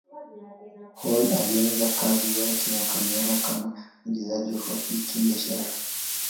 Hall alianza kazi yake ya kamera kama mwigizaji wa kibiashara.